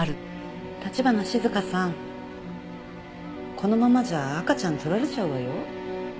このままじゃ赤ちゃん取られちゃうわよ。